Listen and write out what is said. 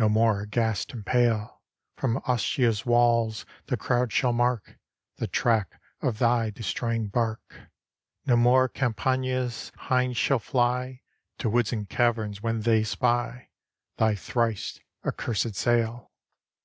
No more, aghast and pale, From Ostia's walls the crowd shall mark The track of thy destroying bark. No more Campania's hinds shall fly To woods and caverns when they spy Thy thrice accursed sail."